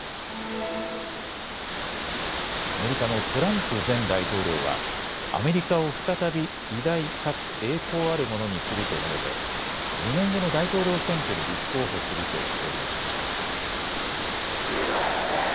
アメリカのトランプ前大統領はアメリカを再び偉大かつ栄光あるものにすると述べて２年後の大統領選挙に立候補すると表明しました。